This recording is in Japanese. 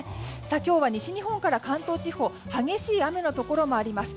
今日は西日本から関東地方激しい雨のところもあります。